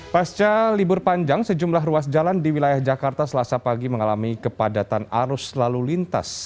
pasca libur panjang sejumlah ruas jalan di wilayah jakarta selasa pagi mengalami kepadatan arus lalu lintas